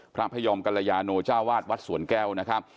พระพยอมกัลยาโนเจ้าวาดวัดสวนแก้วนะครับ